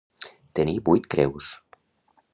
Tenir vuit creus.